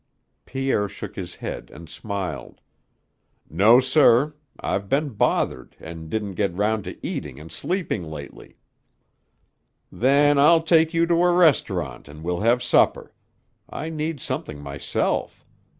Pierre shook his head and smiled. "No, sir. I've been bothered and didn't get round to eating and sleeping lately." "Then I'll take you to a restaurant and we'll have supper. I need something myself.